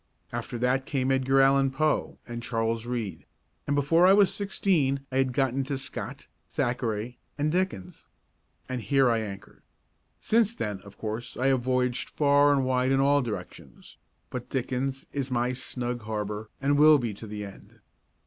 After that came Edgar Allan Poe and Charles Reade; and before I was sixteen I had got into Scott, Thackeray and Dickens. And here I anchored. Since then, of course, I have voyaged far and wide in all directions, but Dickens is my snug harbour, and will be to the end.